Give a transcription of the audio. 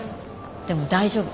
でも大丈夫。